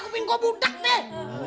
aku pingin kau budak deh